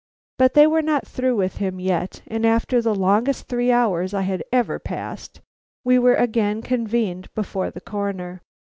But they were not through with him yet, and after the longest three hours I ever passed, we were again convened before the Coroner.